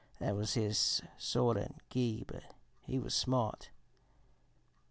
That was his sort, an', gee, but he was smart!